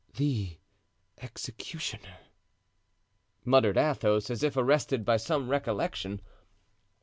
"The executioner!" muttered Athos, as if arrested by some recollection.